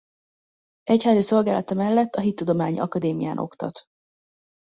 Egyházi szolgálata mellett a Hittudományi Akadémián oktat.